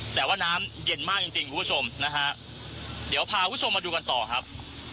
แต่ว่าน้ำเย็นมากจริงจริงคุณผู้ชมนะฮะเดี๋ยวพาคุณผู้ชมมาดูกันต่อครับ